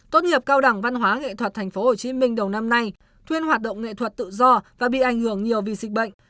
tốt nghiệp cao đẳng văn hóa nghệ thuật tp hcm đầu năm nay thuyên hoạt động nghệ thuật tự do và bị ảnh hưởng nhiều vì dịch bệnh